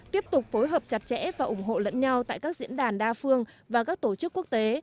tiếp tục phối hợp chặt chẽ và ủng hộ lẫn nhau tại các diễn đàn đa phương và các tổ chức quốc tế